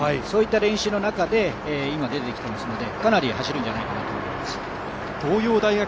そういった練習の中で今出てきてますので、かなり走るんじゃないかなと思います。